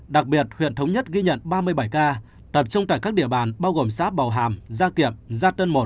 đặc biệt huyện thống nhất ghi nhận ba mươi bảy ca tập trung tại các địa bàn bao gồm xã bào hàm gia kiểm gia tân một